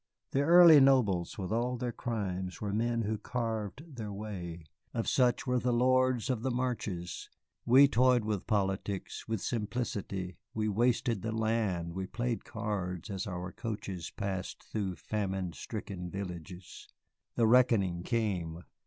The early nobles, with all their crimes, were men who carved their way. Of such were the lords of the Marches. We toyed with politics, with simplicity, we wasted the land, we played cards as our coaches passed through famine stricken villages. The reckoning came.